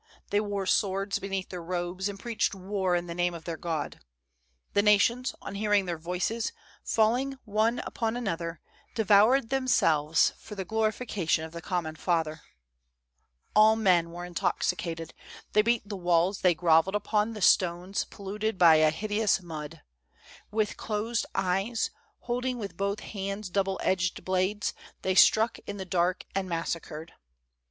They wore swords beneath their robes and preached war in the name of their god. The nations, on hearing their voices, falling one upon another, devoured themselves for the glorifica tion of the common Father. " All men were intoxicated ; they beat the walls, they grovelled upon the stones polluted by a hideous mud. With closed eyes, holding with both hands double edged blades, they struck in the dark and massacred.